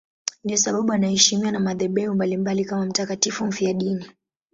Ndiyo sababu anaheshimiwa na madhehebu mbalimbali kama mtakatifu mfiadini.